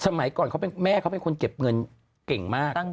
สมัยก่อนเขาเป็นแม่เขาเป็นคนเก็บเงินเก่งมาก